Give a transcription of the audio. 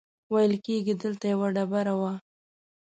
ویل کېږي دلته یوه ډبره وه.